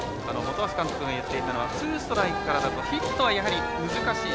本橋監督がいっていたのはツーストライクからだとヒットは、やはり難しい。